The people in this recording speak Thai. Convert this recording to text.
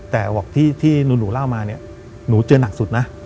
แต่บอกที่หนูเล่ามาเนี่ยหนูเจอหนักสุดนะ